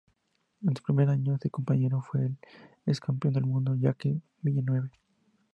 En su primer año su compañero fue el ex campeón del mundo Jacques Villeneuve.